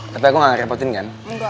tapi aku gak ngerepotin kan